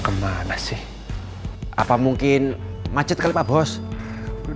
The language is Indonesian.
mimpinya ibu lihat frani di bawah